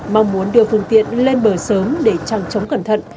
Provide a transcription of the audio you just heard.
mong muốn đưa phương tiện lên bờ sớm để trăng chống cẩn thận